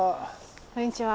こんにちは。